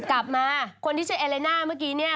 กลับมาคนที่ชื่อเอเลน่าเมื่อกี้เนี่ย